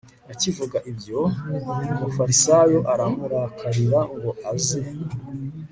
akivuga ibyo umufarisayo aramurarika ngo aze